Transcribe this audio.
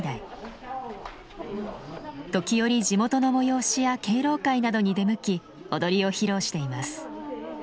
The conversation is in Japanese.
時折地元の催しや敬老会などに出向き踊りを披露しています。